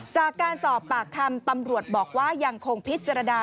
จากการสอบปากคำตำรวจบอกว่ายังคงพิจารณา